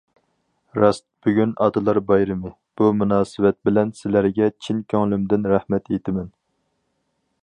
راست... بۈگۈن ئاتىلار بايرىمى، بۇ مۇناسىۋەت بىلەن سىلەرگە چىن كۆڭلۈمدىن رەھمەت ئېيتىمەن!